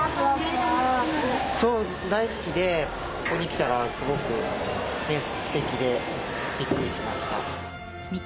大好きでここに来たらすごくステキでびっくりしました。